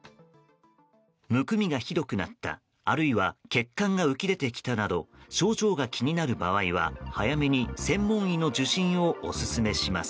むくみがひどくなったあるいは血管が浮き出てきたなど症状が気になる場合は早めに専門医の受診をオススメします。